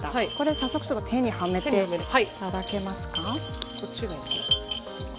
早速、手にはめていただけますか。